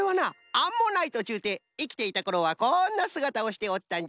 アンモナイトっちゅうていきていたころはこんなすがたをしておったんじゃ。